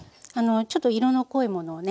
ちょっと色の濃いものをね